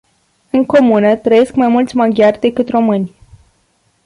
În comună trăiesc mai mulți maghiari decât români.